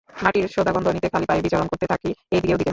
মাটির সোঁদা গন্ধ নিতে খালি পায়ে বিচরণ করতে থাকি এদিক ওদিকে।